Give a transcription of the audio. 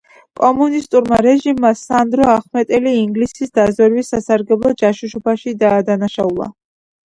კომუნისტურმა რეჟიმმა სანდრო ახმეტელი ინგლისის დაზვერვის სასარგებლოდ ჯაშუშობაში დაადანაშაულა.